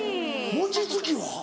餅つきは？